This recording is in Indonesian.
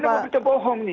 anda mau berita bohong nih